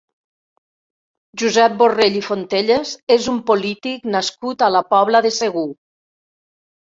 Josep Borrell i Fontelles és un polític nascut a la Pobla de Segur.